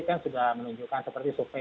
kan sudah menunjukkan seperti survei